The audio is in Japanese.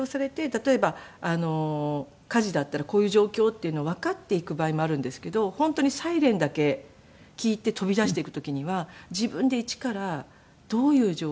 例えば火事だったらこういう状況っていうのをわかって行く場合もあるんですけど本当にサイレンだけ聞いて飛び出していく時には自分で一からどういう状況で。